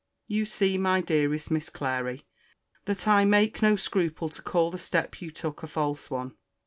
You see, my dearest Miss Clary, that I make no scruple to call the step you took a false one.